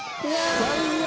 最悪。